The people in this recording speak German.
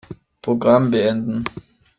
Programm beenden.